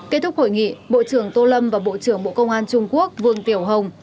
kết thúc hội nghị bộ trưởng tô lâm và bộ trưởng bộ công an trung quốc vương tiểu hồng